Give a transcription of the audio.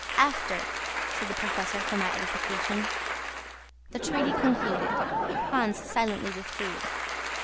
"After," said the Professor for my edification. The treaty concluded, Hans silently withdrew.